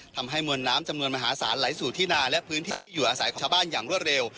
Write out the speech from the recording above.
ทำให้มวลน้ำจำนวนมหาศาลไหลสู่ที่นาและพื้นที่อยู่อาศัยของชาวบ้านอย่างรวดเร็ว